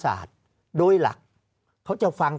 ภารกิจสรรค์ภารกิจสรรค์